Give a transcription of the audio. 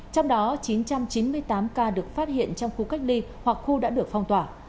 trong đó chín trăm chín mươi tám ca được phát hiện trong khu cách ly hoặc khu đã được phong tỏa